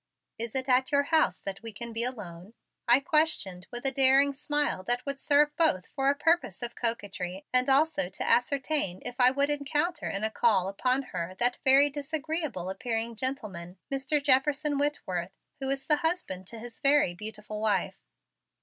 Is it at your house that we can be alone?" I questioned with a daring smile that would serve both for a purpose of coquetry and also to ascertain if I would encounter in a call upon her that very disagreeable appearing gentleman, Mr. Jefferson Whitworth, who is the husband to his very beautiful wife.